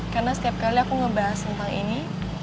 karena setiap kali aku ngebahas tentang ini